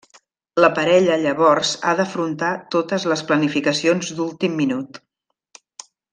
La parella llavors ha d'afrontar totes les planificacions d'últim minut.